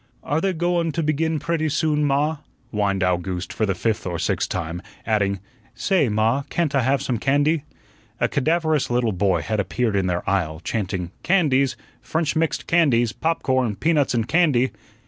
"Are they go wun to begin pretty soon, ma?" whined Owgooste for the fifth or sixth time; adding, "Say, ma, can't I have some candy?" A cadaverous little boy had appeared in their aisle, chanting, "Candies, French mixed candies, popcorn, peanuts and candy."